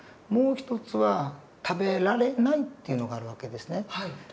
もう一つは食べられないっていうのがある訳ですね。